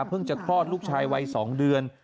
เพิ่งจะครอดลูกชายวัย๒เดือน